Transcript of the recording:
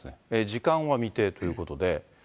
時間は未定ということで。